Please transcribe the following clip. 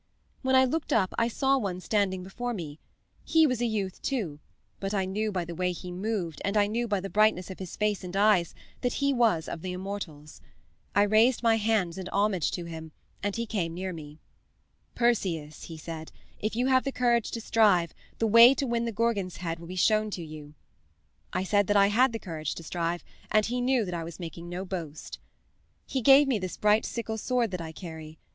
"When I looked up I saw one standing before me. He was a youth, too, but I knew by the way he moved, and I knew by the brightness of his face and eyes, that he was of the immortals. I raised my hands in homage to him, and he came near me. 'Perseus,' he said, 'if you have the courage to strive, the way to win the Gorgon's head will be shown you.' I said that I had the courage to strive, and he knew that I was making no boast. "He gave me this bright sickle sword that I carry.